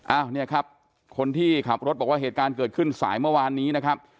อ้าวเนี่ยครับคนที่ขับรถบอกว่าเหตุการณ์เกิดขึ้นสายเมื่อวานนี้นะครับ